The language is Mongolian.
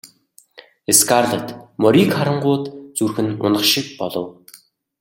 Скарлетт морийг харангуут зүрх нь унах шиг болов.